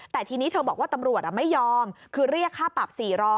แต่ทีนี้เธอบอกว่าตำรวจไม่ยอมคือเรียกค่าปรับ๔๐๐